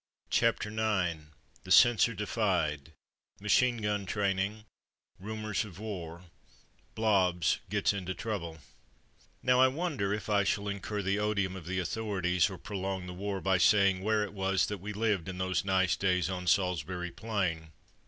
CHAPTER IX THE CENSOR DEFIED — MACHINE GUN TRAIN ING RUMOURS OF WAR BLOBBS GETS INTO TROUBLE Now I wonder if I shall incur the odium of the authorities or prolong the war by saying where it was that we lived in those days on Salisbury Plain.